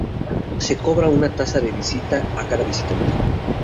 Se cobra una tasa de visita a cada visitante.